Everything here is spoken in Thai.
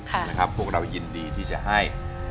ค่ะคุณดาวพวกเรายินดีที่จะให้